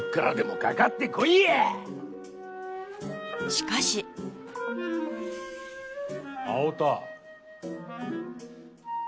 しかし青田！